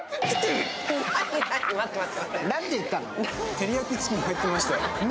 照り焼きチキンが入ってましたよ。